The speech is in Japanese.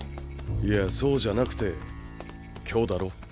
いやそうじゃなくて今日だろ？